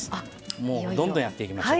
もうどんどんやっていきましょう。